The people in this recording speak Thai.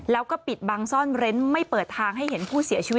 แล้วก็ปิดบังซ่อนเร้นไม่เปิดทางให้เห็นผู้เสียชีวิต